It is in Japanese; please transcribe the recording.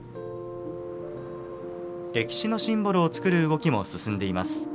歴史のシンボルを作る動きも進んでいます。